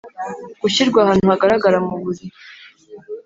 gushyirwa ahantu hagaragara mu buri